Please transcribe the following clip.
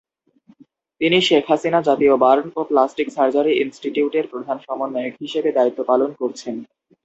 তিনি শেখ হাসিনা জাতীয় বার্ন ও প্লাস্টিক সার্জারি ইনস্টিটিউটের প্রধান সমন্বয়ক হিসেবে দায়িত্ব পালন করছেন।